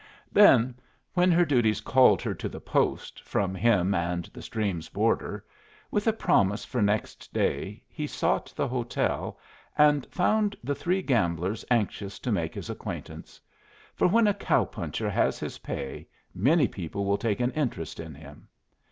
Then, when her duties called her to the post from him and the stream's border, with a promise for next day he sought the hotel and found the three gamblers anxious to make his acquaintance; for when a cow puncher has his pay many people will take an interest in him.